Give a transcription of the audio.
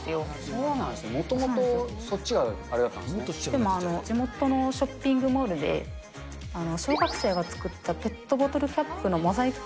そうなんですね、もともとそでも、地元のショッピングモールで、小学生が作ったペットボトルキャップのモザイク